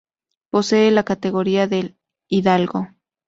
Posee la categoría de hidalgo.